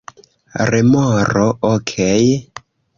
Remoro: "Okej."